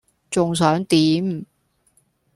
仲想點?